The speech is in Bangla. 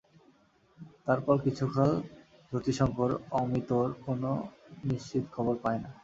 তার পর কিছুকাল যতিশংকর অমিতর কোনো নিশ্চিত খবর পায় না।